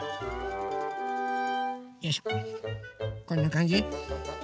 よいしょこんなかんじ？